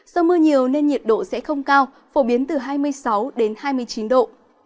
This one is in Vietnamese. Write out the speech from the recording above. do mưa nhiều nên nhiệt độ sẽ không cao phổ biến từ hai mươi sáu đến hai mươi chín độ